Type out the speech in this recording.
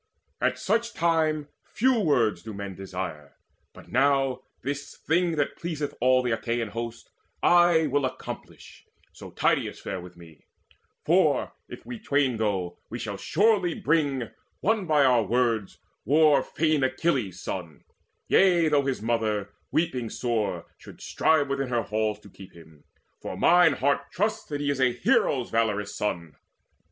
At such time Few words do men desire. But now, this thing That pleaseth all the Achaean host, will I Accomplish, so Tydeides fare with me; For, if we twain go, we shall surely bring, Won by our words, war fain Achilles' son, Yea, though his mother, weeping sore, should strive Within her halls to keep him; for mine heart Trusts that he is a hero's valorous son."